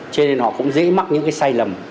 cho nên họ cũng dễ mắc những cái sai lầm